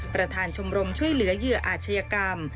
ประธานชมรมช่วยเหลือเหยื่ออาชญากรรม